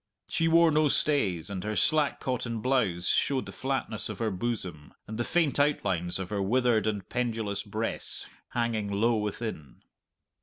She wore no stays, and her slack cotton blouse showed the flatness of her bosom, and the faint outlines of her withered and pendulous breasts hanging low within.